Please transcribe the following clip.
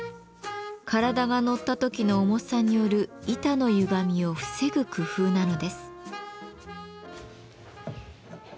体が乗った時の重さによる板のゆがみを防ぐ工夫なのです。